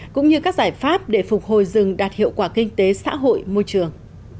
cũng như các giải pháp để phục hồi rừng đạt hiệu quả kinh tế xã hội môi trường